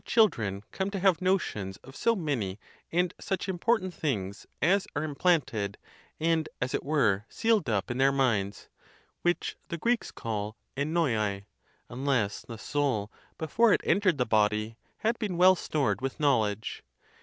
dren come to have notions of so many and such important things as are implanted, and, as it were, sealed up, in their minds (which the Greeks call évvora), unless the soul, be fore it entered the body, had been well stored with knowl edge.